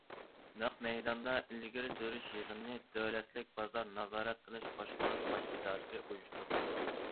نەق مەيداندا ئىلگىرى سۈرۈش يىغىنىنى دۆلەتلىك بازار نازارەت قىلىش باشقۇرۇش باش ئىدارىسى ئۇيۇشتۇردى.